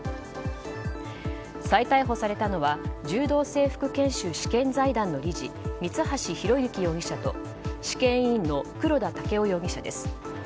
再逮捕されたのは柔道整復研修試験財団の理事三橋裕之容疑者と試験委員の黒田剛生容疑者です。